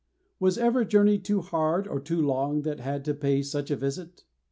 Was ever journey too hard or too long that had to pay such a visit?